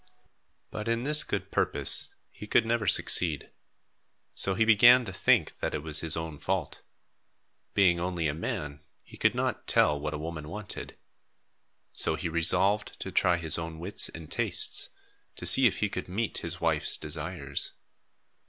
But in this good purpose, he could never succeed. So he began to think that it was his own fault. Being only a man, he could not tell what a woman wanted. So he resolved to try his own wits and tastes, to see if he could meet his wife's desires.